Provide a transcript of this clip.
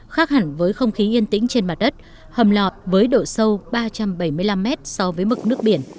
khác hẳn với không khí yên tĩnh trên mặt đất hầm lò với độ sâu ba trăm bảy mươi năm mét so với mực nước biển